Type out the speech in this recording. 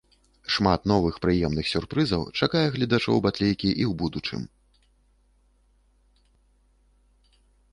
Шмат новых прыемных сюрпрызаў чакае гледачоў батлейкі і ў будучым.